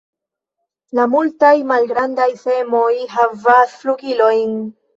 La multaj malgrandaj semoj havas flugilojn.